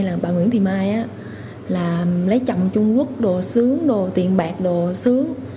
là bà nguyễn thị mai là lấy chồng trung quốc đồ sướng đồ tiền bạc đồ sướng